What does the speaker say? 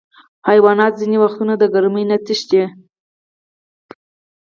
حیوانات ځینې وختونه د ګرمۍ نه تښتي.